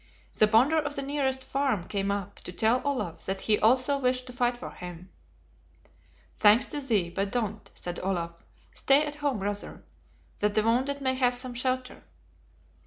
The Bonder of the nearest farm came up, to tell Olaf that he also wished to fight for him "Thanks to thee; but don't," said Olaf; "stay at home rather, that the wounded may have some shelter."